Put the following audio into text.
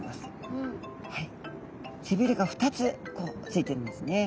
背びれが２つこうついてるんですね。